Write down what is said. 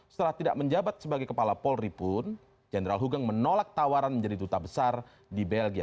setelah tidak menjabat sebagai kepala polri pun jenderal hugeng menolak tawaran menjadi duta besar di belgia